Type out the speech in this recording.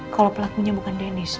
kalau pelakunya bukan dennis